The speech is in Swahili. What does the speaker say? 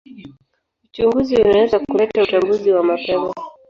Uchunguzi unaweza kuleta utambuzi wa mapema.